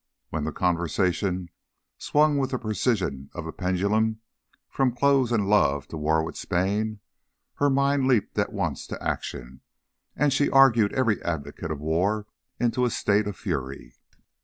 When the conversation swung with the precision of a pendulum from clothes and love to war with Spain, her mind leapt at once to action, and she argued every advocate of war into a state of fury.